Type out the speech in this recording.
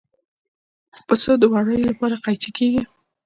پسه د وړیو لپاره قیچي کېږي.